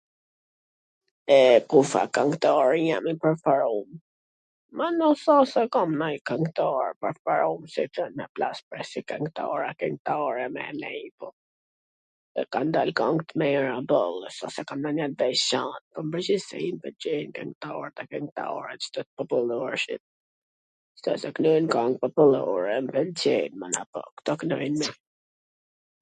E kush a kwngtari jem i preferum? Mana s a se kam ndonj kwngtar tw preferum edhe flas si kwngtar a kwngtare me ... se kan dal kang t mira boll, s a se kam mwndjen te njw gja, po n pwrgjithsi m pwlqejn kwngtorwt dhe kwngtaret popullorshit, kta qw knojn kang popullore m pwlqejn mana po, kto knojn mir